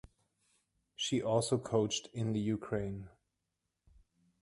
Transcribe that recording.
She also coached in the Ukraine.